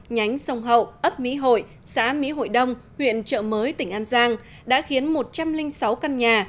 nhánh sông hậu ấp mỹ hội xã mỹ hội đông huyện trợ mới tỉnh an giang đã khiến một trăm linh sáu căn nhà